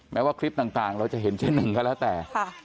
ว่าคลิปต่างเราจะเห็นเจ๊หนึ่งก็แล้วแต่